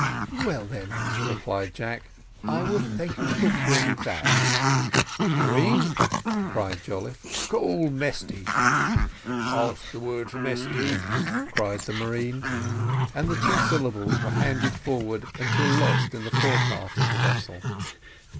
"Well then," replied Jack, "I will thank you to procure me that." "Marine," cried Jolliffe, "call Mesty." "Pass the word for Mesty," cried the marine and the two syllables were handed forward until lost in the fore part of the vessel.